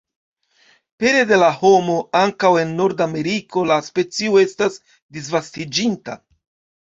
Pere de la homo, ankaŭ en Nordameriko la specio estas disvastiĝinta.